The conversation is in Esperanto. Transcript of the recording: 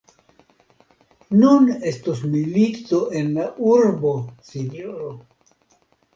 Nun estos milito en la urbo, sinjoro!